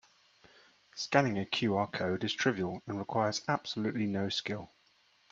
Scanning a QR code is trivial and requires absolutely no skill.